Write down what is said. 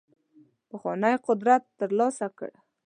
پخوانی قدرت ترلاسه کړ.